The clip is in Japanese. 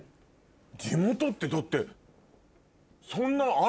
地元ってだってそんなある？